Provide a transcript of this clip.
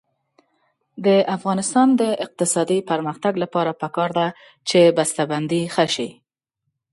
د افغانستان د اقتصادي پرمختګ لپاره پکار ده چې بسته بندي ښه شي.